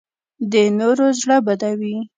د نورو زړه بدوي